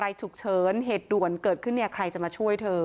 มีแต่เสียงตุ๊กแก่กลางคืนไม่กล้าเข้าห้องน้ำด้วยซ้ำ